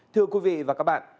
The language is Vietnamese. thưa quý vị và các bạn